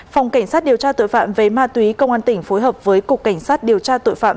phòng cảnh sát điều tra tội phạm về ma túy công an tỉnh phối hợp với cục cảnh sát điều tra tội phạm